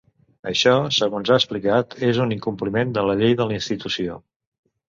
Això, segons ha explicat, és un incompliment de la llei de la institució.